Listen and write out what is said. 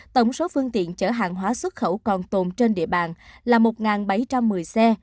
tổng số phương tiện chở hàng hóa xuất khẩu còn tồn trên địa bàn là một bảy trăm một mươi xe